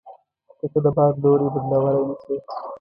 که ته د باد لوری بدلوای نه شې.